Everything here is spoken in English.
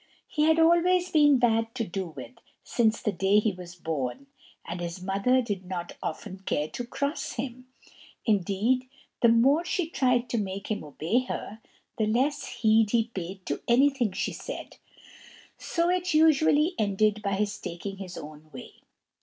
He had always been bad to do with since the day he was born, and his mother did not often care to cross him; indeed, the more she tried to make him obey her, the less heed he paid to anything she said, so it usually ended by his taking his own way.